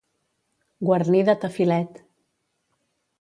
Guarnir de tafilet.